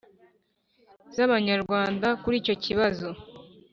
z'abanyarwanda kuri icyo kibazo,